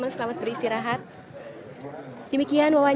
sukses semangat ya